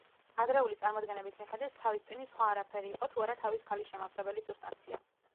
ადრეული წარმოდგენების მიხედვით, თავის ტვინი სხვა არაფერი იყო, თუ არა თავის ქალის შემავსებელი სუბსტანცია.